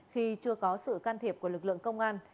khi chưa có sự can thiệp của lực lượng công an